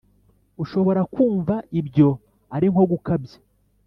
Ushobora kumva ibyo ari nko gukabya